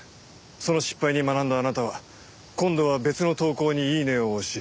その失敗に学んだあなたは今度は別の投稿にイイネ！を押し